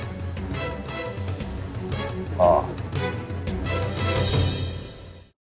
ああ。